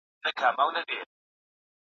يار چې ساړه اسويلي کئ ويشتی به وينه